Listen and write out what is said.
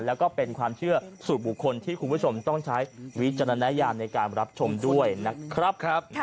แล้วก็เป็นความเชื่อสู่บุคคลที่คุณผู้ชมต้องใช้วิจารณญาณในการรับชมด้วยนะครับ